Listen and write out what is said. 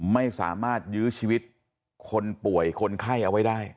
ไม่สามารถยื้อชีวิตคนป่วยคนไข้เอาไว้ได้